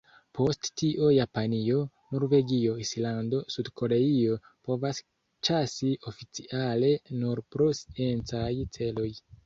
Post tio Japanio, Norvegio, Islando, Sud-Koreio povas ĉasi oficiale nur pro sciencaj celoj.